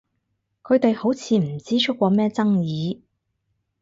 佢哋好似唔知出過咩爭議？